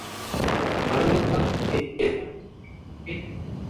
মাঝেমধ্যে হাত-পা ছেড়ে দিয়ে চার দেয়ালের ভেতর থেকেই আকাশ খোঁজার চেষ্টা করেন।